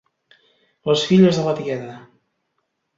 Les filles de la tieta.